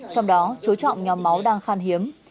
trong đó chối trọng nhóm máu đang khan hiếm